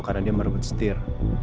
karena dia merebut setir